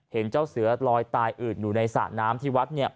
เห็นเจ้าเสือลอยตายอืดอยู่ในสระน้ำที่วัด